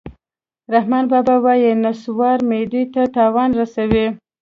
رحمان بابا وایي: نصوار معدې ته تاوان رسوي